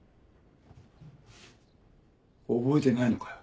覚えてないのかよ。